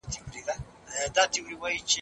د محصولاتو تقاضا په چټکۍ سره بدله سوه.